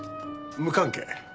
無関係。